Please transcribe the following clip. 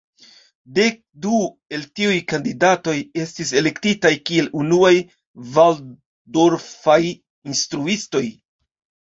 Dek du el tiuj kandidatoj estis elektitaj kiel unuaj valdorfaj instruistoj.